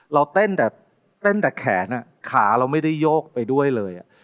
เราเต้นแต่แขนน่ะขาเราไม่ได้โยกไปด้วยเลยอะ